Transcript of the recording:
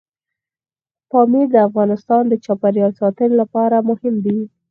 پامیر د افغانستان د چاپیریال ساتنې لپاره مهم دي.